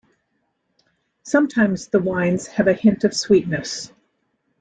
Sometimes the wines have a hint of sweetness.